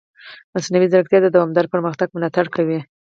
مصنوعي ځیرکتیا د دوامدار پرمختګ ملاتړ کوي.